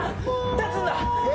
立つんだ！